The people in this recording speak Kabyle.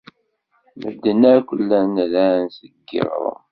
Medden akk llan ran-tt deg yiɣrem.